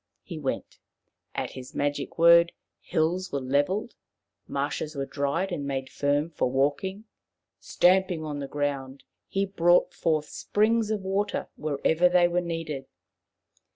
He went. At his magic word hills were levelled, marshes were dried and made firm for walking. Stamping on the ground, he brought forth springs of water wherever they were needed.